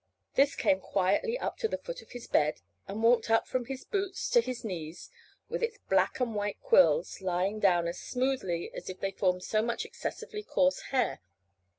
This came quietly up to the foot of his bed, and walked up from his boots to his knees, with its black and white quills lying down as smoothly as if they formed so much excessively coarse hair.